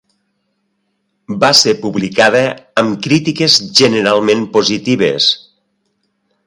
Va ser publicada amb crítiques generalment positives.